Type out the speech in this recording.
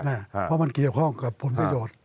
เพราะมันเกี่ยวข้องกับผลประโยชน์